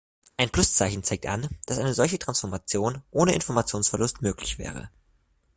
Ein Pluszeichen zeigt an, dass eine solche Transformation ohne Informationsverlust möglich wäre.